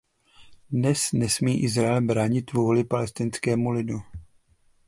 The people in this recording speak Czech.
Dnes nesmí Izrael bránit vůli palestinského lidu.